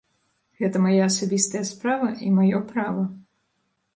Гэта мая асабістая справа і маё права.